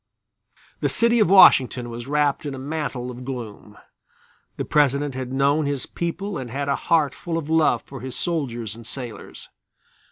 The city of Washington was wrapped in a mantle of gloom. The President had known his people and had a heart full of love for his soldiers and sailors.